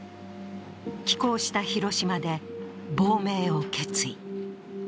寄港した広島で亡命を決意。